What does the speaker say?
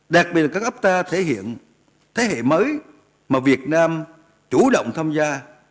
đặc biệt là các ấp ta thể hiện thế hệ mới mà việt nam chủ động tham gia